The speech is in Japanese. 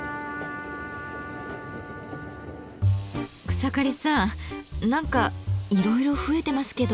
草刈さん何かいろいろ増えてますけど。